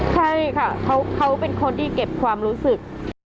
ใช่ค่ะเขาเป็นคนที่เก็บความรู้สึก